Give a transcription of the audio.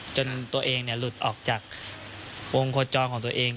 จนตัวเองหลุดออกจากวงโคจรของตัวเอง